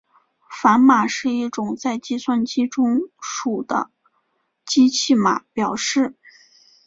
反码是一种在计算机中数的机器码表示。